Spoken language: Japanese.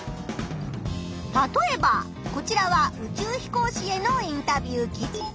たとえばこちらは宇宙飛行士へのインタビュー記事。